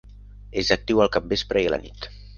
És actiu al capvespre i a la nit.